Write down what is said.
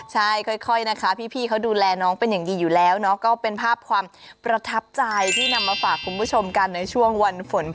ใช่ค่อยนะคะพี่เขาดูแลน้องเป็นอย่างดีอยู่แล้วเนาะ